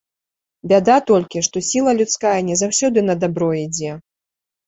Бяда толькі, што сіла людская не заўсёды на дабро ідзе.